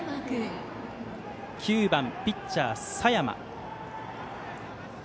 ９番ピッチャー、佐山。